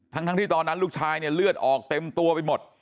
ทั้งที่ตอนนั้นลูกชายเนี่ยเลือดออกเต็มตัวไปหมด